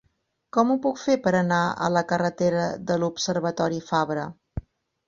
Com ho puc fer per anar a la carretera de l'Observatori Fabra?